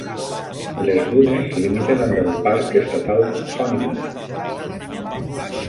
Les dunes limiten amb el parc estatal Honeyman.